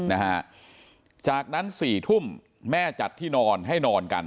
นะฮะจากนั้นสี่ทุ่มแม่จัดที่นอนให้นอนกัน